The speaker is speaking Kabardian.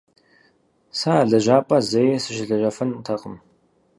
Сэ а лэжьапӏэм зэи сыщылэжьэфынтэкъым.